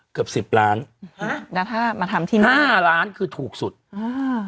เกือบสิบล้านฮะแล้วถ้ามาทำที่นี่ห้าล้านคือถูกสุดอ่า